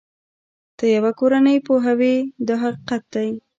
ته یوه کورنۍ پوهوې دا حقیقت دی.